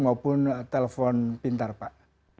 maupun telepon pintar pak